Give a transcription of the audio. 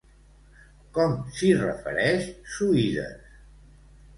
Com s'hi refereix Suides?